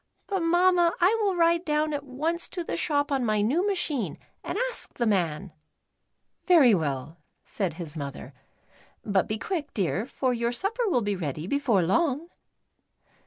But, Mamma, I will ride down at once to the shop on my new machine and ask the man." "Very well," said his mother, " but be quick, dear, for your supper will be ready before long."